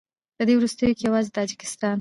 په دې وروستیو کې یوازې تاجکستان